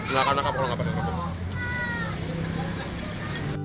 nggak akan lengkap kalau nggak pakai kerupuk